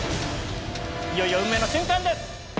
いよいよ運命の瞬間です！